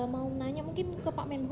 mau nanya mungkin ke pak menko